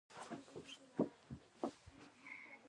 زه هره ورځ موبایل چارجوم.